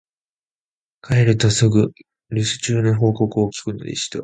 帰るとすぐ、探偵は旅のつかれを休めようともしないで、書斎に助手の小林少年を呼んで、るす中の報告を聞くのでした。